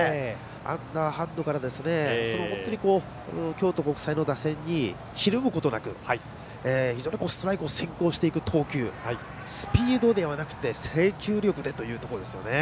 アンダーハンドから京都国際の打線にひるむことなく非常にストライクを先行していく投球スピードではなくて制球力でというところですね。